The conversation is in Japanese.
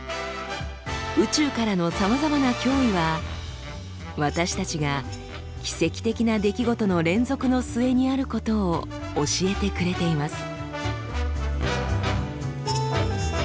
宇宙からのさまざまな脅威は私たちが奇跡的な出来事の連続の末にあることを教えてくれています。